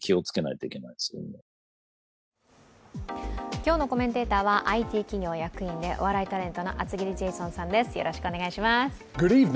今日のコメンテーターはＩＴ企業役員でお笑いタレントの厚切りジェイソンさんです。